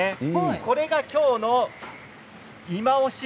これがきょうのいまオシ！